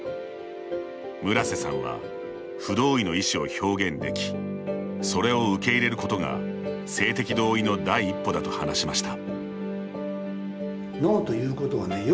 村瀬さんは不同意の意思を表現できそれを受け入れることが性的同意の第一歩だと話しました。